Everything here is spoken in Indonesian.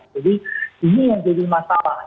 ini yang jadi masalah